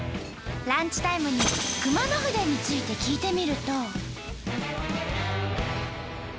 ランチタイムに熊野筆について聞いてみると。